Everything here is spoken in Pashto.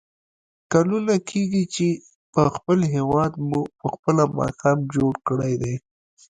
کلونه کېږي چې په خپل هېواد مو په خپله ماښام جوړ کړی دی.